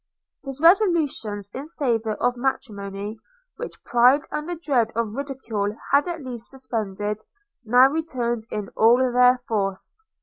His resolutions in favour of matrimony, which pride and the dread of ridicule had at least suspended, now returned in all their force.